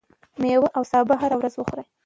ميوې او سابه هره ورځ وخورئ.